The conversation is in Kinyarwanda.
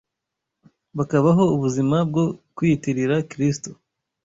bakabaho ubuzima bwo kwiyitirira Kristo